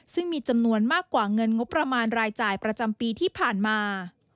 ซึ่งมีจำนวนมากกว่าเงินงบประมาณรายจ่ายประจำปีที่ผ่านมา